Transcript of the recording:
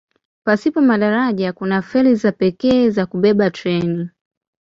Pasipo madaraja kuna feri za pekee za kubeba treni.